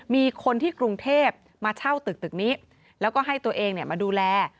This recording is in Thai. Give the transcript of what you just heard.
มีคนที่กรุงเทพมาเช่าตึกนี้แล้วก็ให้ตัวเองมาดูแล